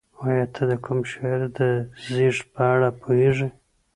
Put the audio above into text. ایا ته د کوم شاعر د زېږد په اړه پوهېږې؟